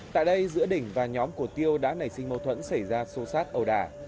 tại đây giữa đỉnh và nhóm của tiêu đã nảy sinh mâu thuẫn xảy ra sâu sát ầu đà